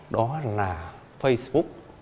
đó là facebook